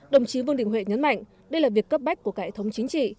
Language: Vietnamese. đồng chí vương đình huệ nhấn mạnh đây là việc cấp bách của cả hệ thống chính trị